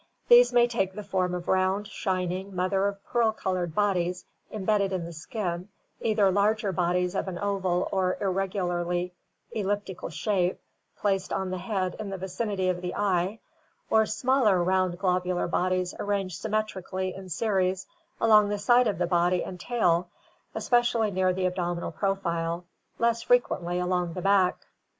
These may take the form of round, shining, mother of pearl colored bodies, imbedded in the skin, either larger bodies of an oval or irregularly elliptical shape, placed on the head in the vicinity of the eye, or smaller round globular bodies ar ranged symmetrically in series along the side of the body and tail, especially near the abdominal profile, less frequently along the back (Gunther).